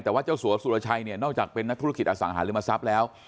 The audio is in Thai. แต่ว่าเจ้าสัวสุรชัยเนี่ยนอกจากเป็นนักธุรกิจอสังหาริมทรัพย์แล้ว